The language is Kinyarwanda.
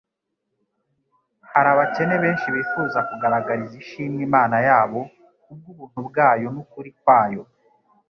Hari abakene benshi bifuza kugaragariza ishimwe Imana yabo kubw'ubuntu bwayo n'ukuri kwayo